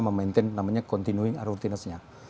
memaintain namanya continuing rutiness nya